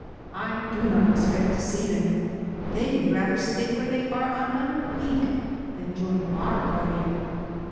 I do not expect to see them, they would rather stay where they are another week than join our party."